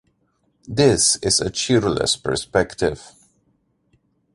This is a cheerless perspective.